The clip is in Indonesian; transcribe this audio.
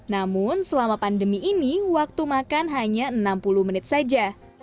namun selama pandemi ini waktu makan hanya enam puluh menit saja